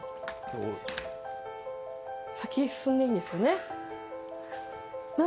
先へ進んでいいんですよね何？